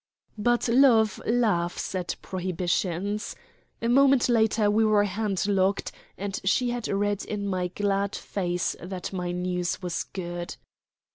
But love laughs at prohibitions. A moment later we were hand locked, and she had read in my glad face that my news was good.